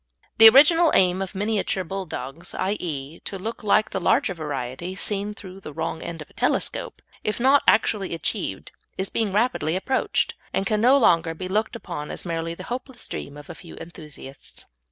The original aim of Miniature Bulldogs i.e. to look like the larger variety seen through the wrong end of a telescope if not actually achieved, is being rapidly approached, and can no longer be looked upon as merely the hopeless dream of a few enthusiasts.